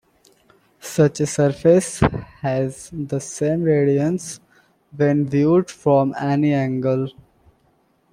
Such a surface has the same radiance when viewed from any angle.